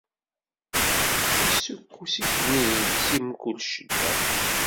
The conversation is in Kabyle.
Issukkus-iten-id si mkul ccedda.